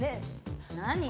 何？